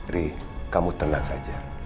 ri kamu tenang saja